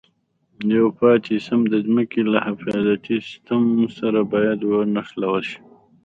یو پاتې سیم د ځمکې له حفاظتي سیم سره باید ونښلول شي.